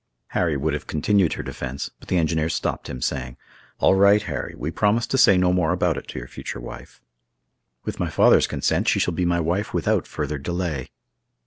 Harry would have continued her defense; but the engineer stopped him, saying, "All right, Harry; we promise to say no more about it to your future wife." "With my father's consent she shall be my wife without further delay."